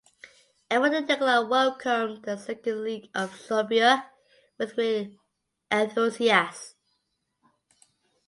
Everyone in the club welcomed the second league of Serbia with great enthusiasm.